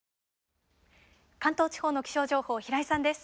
関東地方の気象情報平井さんです。